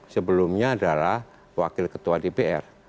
sebelumnya adalah wakil ketua dpr